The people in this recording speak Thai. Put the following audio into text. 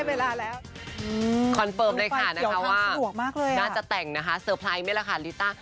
ไปเดี๋ยวทำสะดวกมากเลยอ่ะน่าจะแต่งนะคะสเตอร์ไพรส์ไม่แล้วค่ะลิต้า